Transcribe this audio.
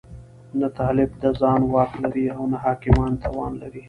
نه طالب د ځان واک لري او نه حاکمان توان لري.